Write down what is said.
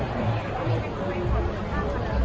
ค่ะเมื่อกี้